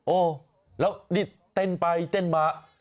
โอ้แล้วนี่เต้นไปเต้นมา